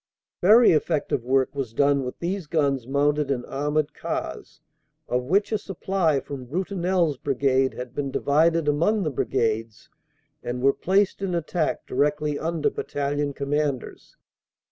Very effective work was done with these guns mounted in armored cars, of which a supply from Brutinel s Brigade had been divided among the Brigades and were placed in attack directly under Battalion Commanders.